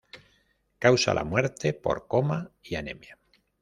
Causa la muerte por coma y anemia.